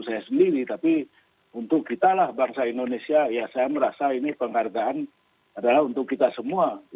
saya sendiri tapi untuk kita lah bangsa indonesia ya saya merasa ini penghargaan adalah untuk kita semua